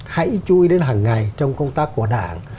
hãy chui đến hàng ngày trong công tác của đảng